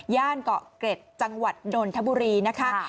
เกาะเกร็ดจังหวัดนนทบุรีนะคะ